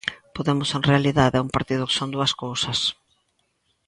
Podemos en realidade é un partido que son dúas cousas.